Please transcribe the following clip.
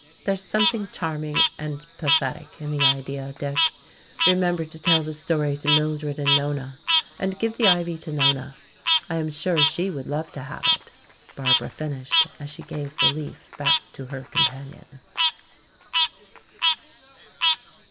"There is something charming and pathetic in the idea, Dick. Remember to tell the story to Mildred and Nona. And give the ivy to Nona; I am sure she would love to have it," Barbara finished, as she gave the leaf back to her companion.